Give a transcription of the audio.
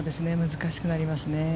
難しくなりますね。